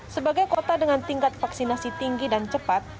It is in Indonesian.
sebagai kota dengan tingkat vaksinasi tinggi dan cepat